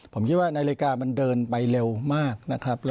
ผมคิดว่านาฬิกามันเดินไปเร็วมากนะครับ